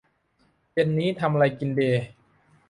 เย็นนี้ทำอะไรกินดี